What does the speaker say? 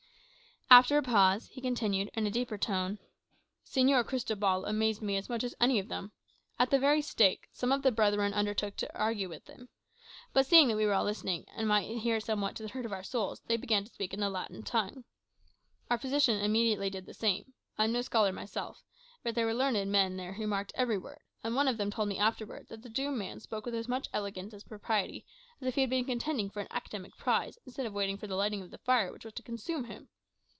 After a pause, he continued, in a deeper tone, "Señor Cristobal amazed me as much as any of them. At the very stake, some of the Brethren undertook to argue with him. But seeing that we were all listening, and might hear somewhat to the hurt of our souls, they began to speak in the Latin tongue. Our physician immediately did the same. I am no scholar myself; but there were learned men there who marked every word, and one of them told me afterwards that the doomed man spoke with as much elegance and propriety as if he had been contending for an academic prize, instead of waiting for the lighting of the fire which was to consume him.